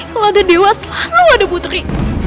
kalau ada dewa selalu ada putri